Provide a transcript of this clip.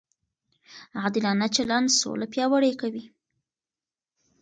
عادلانه چلند سوله پیاوړې کوي.